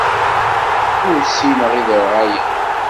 Ur ssineɣ iderɣalen.